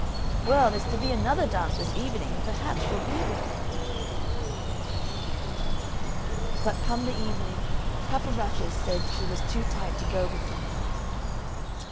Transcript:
"Well, there's to be another dance this evening, and perhaps she'll be there." But, come the evening, Cap o' Rushes said she was too tired to go with them.